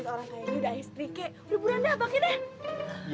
iya orang kaya ini udah istri kek udah buranda apakin ya